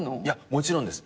もちろんです。